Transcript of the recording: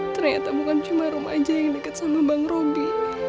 ternyata bukan cuma rom aja yang dekat sama bang roby